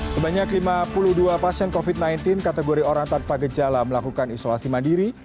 sebanyak lima puluh dua pasien covid sembilan belas kategori orang tanpa gejala melakukan isolasi mandiri